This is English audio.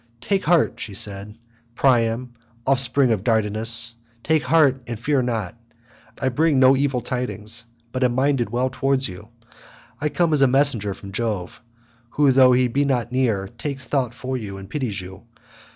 "Take heart," she said, "Priam offspring of Dardanus, take heart and fear not. I bring no evil tidings, but am minded well towards you. I come as a messenger from Jove, who though he be not near, takes thought for you and pities you.